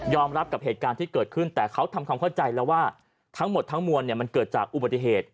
รับกับเหตุการณ์ที่เกิดขึ้นแต่เขาทำความเข้าใจแล้วว่าทั้งหมดทั้งมวลมันเกิดจากอุบัติเหตุ